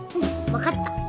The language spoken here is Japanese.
分かった。